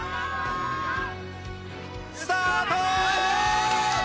スタート。